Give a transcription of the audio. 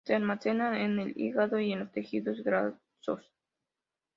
Se almacenan en el hígado y en los tejidos grasos.